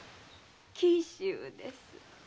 紀州です。